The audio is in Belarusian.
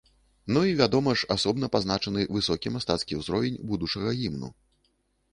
Ну і, вядома ж, асобна пазначаны высокі мастацкі ўзровень будучага гімну.